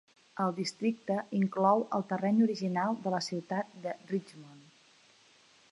El districte inclou el terreny original de la ciutat de Richmond.